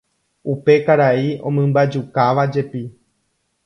Upe karai omymbajukávajepi.